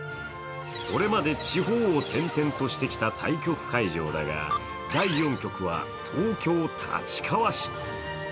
これまで地方を転々としてきた対局会場だが、第４局は東京・立川市。